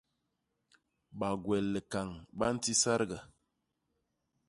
Bagwel likañ ba nti sadga.